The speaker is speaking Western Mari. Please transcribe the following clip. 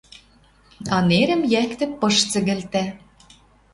А нерӹм йӓктӹ пыш цӹгӹлтӓ